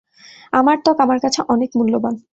আমার ত্বক আমার কাছে অনেক মূল্যবান।